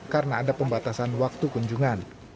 karena ada pembatasan waktu kunjungan